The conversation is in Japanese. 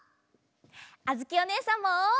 あづきおねえさんも！